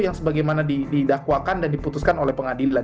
yang sebagaimana didakwakan dan diputuskan oleh pengadilan